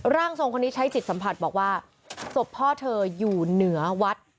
ร่างทรงคนนี้ใช้จิตสัมผัสบอกว่าศพพ่อเธออยู่เหนือวัด